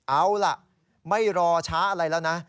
เอาล่ะไม่รอช้าอะไรแล้วนะ